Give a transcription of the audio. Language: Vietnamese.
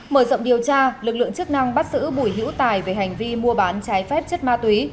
mở rộng điều tra lực lượng chức năng bắt giữ bùi hữu tài về hành vi mua bán trái phép chất ma túy